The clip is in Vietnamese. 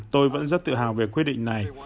tôi vẫn rất tự hào về quyết định này